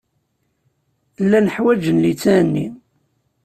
Llan ḥwaǧen litteɛ-nni.